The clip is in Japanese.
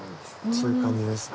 そういう感じですね。